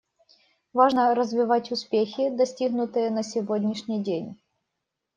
Важно развивать успехи, достигнутые на сегодняшний день.